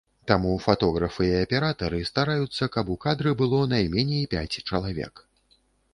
Таму фатографы і аператары стараюцца, каб у кадры было найменей пяць чалавек.